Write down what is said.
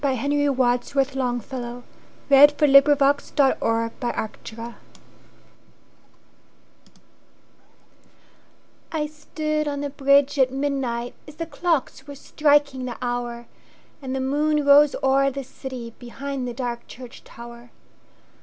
Henry Wadsworth Longfellow 782. The Bridge I STOOD on the bridge at midnight, As the clocks were striking the hour, And the moon rose o'er the city, Behind the dark church tower.